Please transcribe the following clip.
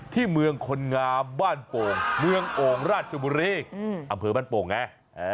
ที่เมืองคนงามบ้านโป่งเมืองโอ่งราชบุรีอำเภอบ้านโป่งไง